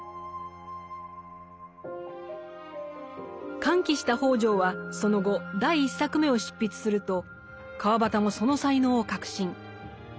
歓喜した北條はその後第１作目を執筆すると川端もその才能を確信。